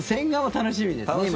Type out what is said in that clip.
楽しみですね。